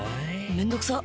めんどくさっ！